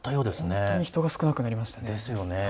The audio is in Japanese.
本当に人が少なくなりましたね。